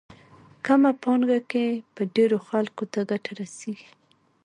کمه پانګه کې به ډېرو خلکو ته ګټه ورسېږي.